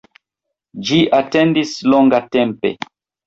Ĝi atendis longatempe.